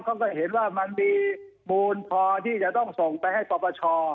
เขาก็เห็นว่ามันมีมูลพอที่จะต้องส่งไปให้ปปช